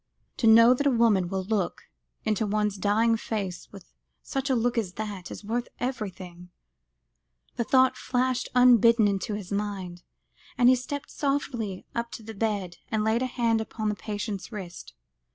"To know that a woman will look into one's dying face with such a look as that, is worth everything," the thought flashed unbidden into his mind, as he stepped softly up to the bed, and laid a hand upon the patient's wrist.